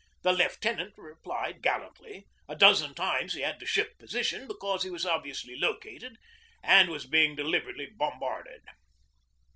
The lieutenant replied gallantly. A dozen times he had to shift position, because he was obviously located, and was being deliberately bombarded.